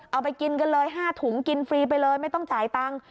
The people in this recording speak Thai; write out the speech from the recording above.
เอาไปกินกันเลย๕ถุงกินฟรีไปเลยไม่ต้องจ่ายตังค์